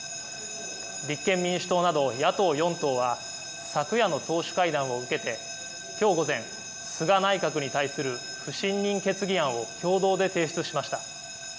立憲民主党など野党４党は昨夜の党首会談を受けてきょう午前、菅内閣に対する不信任決議案を共同で提出しました。